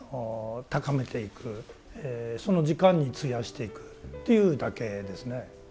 その時間に費やしていくっていうだけですね。